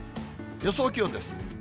予想気温です。